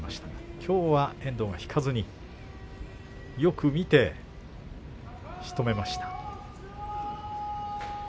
きょうは遠藤、引かずによく見てしとめました。